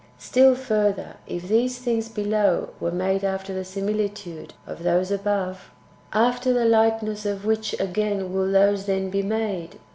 5. Still furtlier, if these things [below] were made after the similitude of those [above], after the likeness of which ao ain will those then be made